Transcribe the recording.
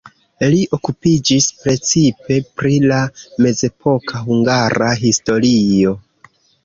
Li okupiĝis precipe pri la mezepoka hungara historio.